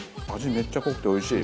めっちゃ濃くておいしい。